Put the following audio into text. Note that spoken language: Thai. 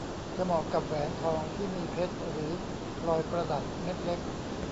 จะเหมาะกับแหวนทองที่มีเพชรหรือพลอยประดับเม็ดเล็ก